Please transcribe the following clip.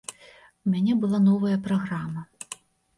У мяне была новая праграма.